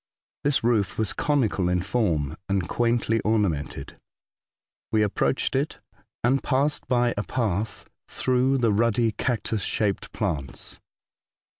This roof was conical in form, and quaintly ornamented. We ap proached it, and passed by a path through the ruddy cactus shaped plants.